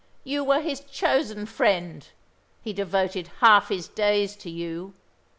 You were his chosen friend he devoted half his days to you.